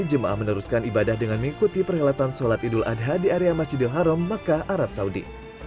jemaah meneruskan ibadah dengan mengikuti perhelatan sholat idul adha di area masjidil haram makkah arab saudi